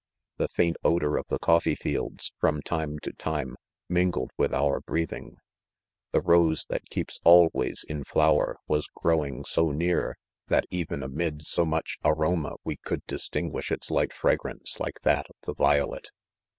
The faint odour of the coffee fields^ §Hn;tiinei|0 time, mingled with; our breathing. l t$0:B^^^M,k:Q^0^mi ! ^'S inilower was grow ing so near, that even amid so much aroma, we could distinguish its light fragrance like' that of the violet.